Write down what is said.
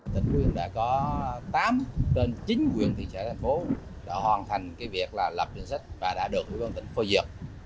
tỉnh phú yên đã có tám trên chín huyện thị xã thành phố đã hoàn thành việc lập danh sách và đã được ủy ban tỉnh phê duyệt